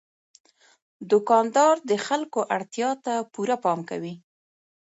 دوکاندار د خلکو اړتیا ته پوره پام کوي.